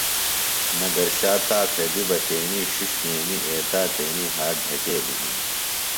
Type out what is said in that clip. نگرشا تا پھیدیۡ بہ تیݨی ݜݜ نیمی ایتا تیݨی ہات ڈھکیلیۡ ہِنیۡ